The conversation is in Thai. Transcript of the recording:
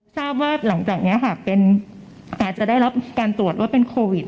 ทราบว่าหลังจากนี้ค่ะอาจจะได้รับการตรวจว่าเป็นโควิด